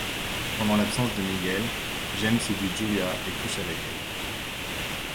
Pendant l'absence de Miguel, Jaime séduit Julia et couche avec elle.